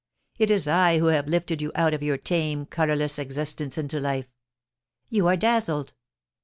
... It is I who have lifted you out of your tame, colourless existence into life. ... You are dazzled.